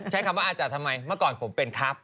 ใช้คำว่าอาจจะทำไมเมื่อก่อนผมเป็นทัพ